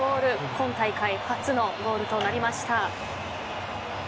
今大会初のゴールとなりました。